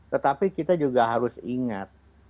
tetapi kita juga harus ingat